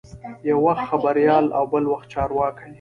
یو وخت خبریال او بل وخت چارواکی.